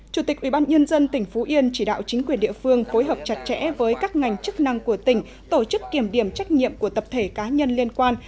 chủ tịch ubnd tỉnh phú yên chỉ đạo chính quyền địa phương phối hợp chặt chẽ với các ngành chức năng của tỉnh tổ chức kiểm điểm trách nhiệm của tập thể cá nhân liên quan